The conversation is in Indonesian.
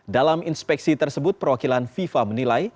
dalam inspeksi tersebut perwakilan fifa menilai